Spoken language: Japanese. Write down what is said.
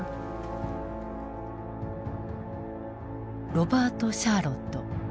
ロバート・シャーロッド。